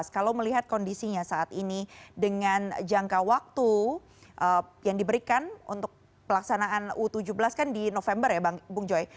kalau melihat kondisinya saat ini dengan jangka waktu yang diberikan untuk pelaksanaan u tujuh belas kan di november ya bang joy